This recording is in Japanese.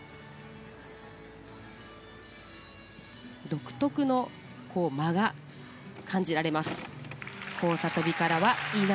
独特の間が感じられます。